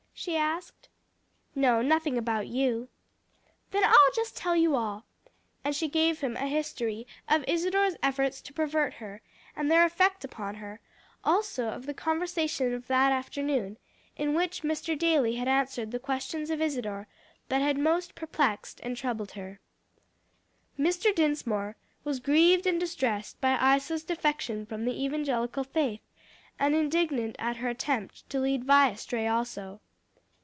she asked. "No, nothing about you." "Then I'll just tell you all." And she gave him a history of Isadore's efforts to pervert her, and their effect upon her; also of the conversation of that afternoon, in which Mr. Daly had answered the questions of Isadore, that had most perplexed and troubled her. Mr. Dinsmore was grieved and distressed by Isa's defection from the evangelical faith, and indignant at her attempt to lead Vi astray also.